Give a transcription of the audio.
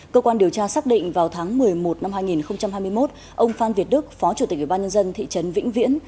cơ quan điều tra xác định vào tháng một mươi một năm hai nghìn hai mươi một ông phan việt đức phó chủ tịch ubnd thị trấn vĩnh viễn